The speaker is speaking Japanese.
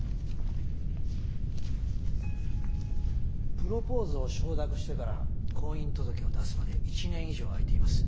プロポーズを承諾してから婚姻届を出すまで１年以上空いています。